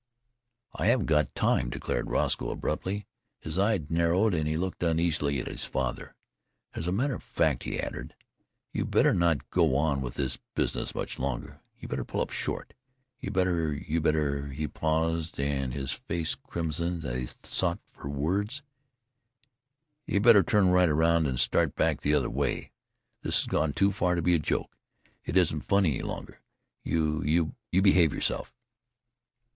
"I haven't got time," declared Roscoe abruptly. His eyes narrowed and he looked uneasily at his father. "As a matter of fact," he added, "you'd better not go on with this business much longer. You better pull up short. You better you better" he paused and his face crimsoned as he sought for words "you better turn right around and start back the other way. This has gone too far to be a joke. It isn't funny any longer. You you behave yourself!"